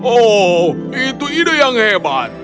oh itu ide yang hebat